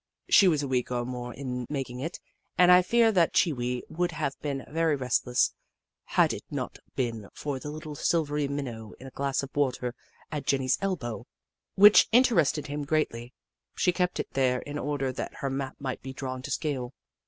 She was a week or more in making it, and I fear that Chee Wee would have been very restless, had it not been for the little silvery minnow in a glass of water at Jenny's elbow, which inter ested him greatly. She kept it there in order that her map might be drawn to scale.